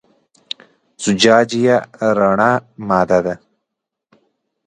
زجاجیه رڼه ماده ده.